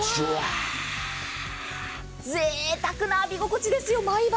ぜいたくな浴び心地ですよ、毎晩。